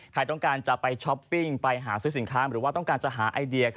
ใครต้องการจะไปช้อปปิ้งไปหาซื้อสินค้าหรือว่าต้องการจะหาไอเดีย